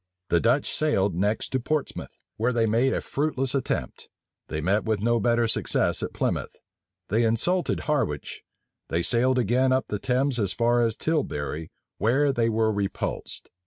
The Dutch sailed next to Portsmouth, where they made a fruitless attempt: they met with no better success at Plymouth: they insulted Harwich: they sailed again up the Thames as far as Tilbury, where they were repulsed.